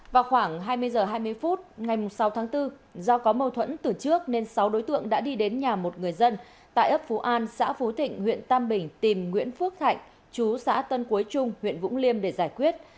vào khoảng hai mươi h hai mươi phút ngày sáu tháng bốn do có mâu thuẫn từ trước nên sáu đối tượng đã đi đến nhà một người dân tại ấp phú an xã phú thịnh huyện tam bình tìm nguyễn phước thạnh chú xã tân cuối trung huyện vũng liêm để giải quyết